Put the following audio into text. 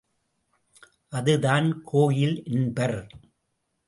அதுதான் கோயில் என்பர்.